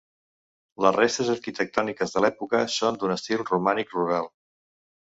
Les restes arquitectòniques de l'època són d'un estil romànic rural.